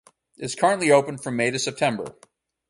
It is currently open from May to September.